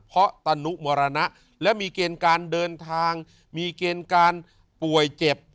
เพราะตนุมรณะและมีเกณฑ์การเดินทางมีเกณฑ์การป่วยเจ็บ